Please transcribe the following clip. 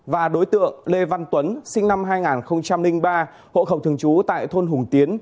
và đối tượng lê văn tuấn sinh năm hai nghìn ba hộ khẩu thường trú tại thôn hùng tiến